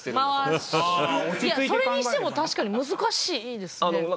それにしても確かに難しいですね。